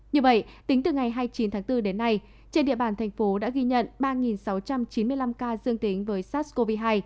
như vậy tính từ ngày hai mươi chín tháng bốn đến nay trên địa bàn thành phố đã ghi nhận ba sáu trăm chín mươi năm ca dương tính với sars cov hai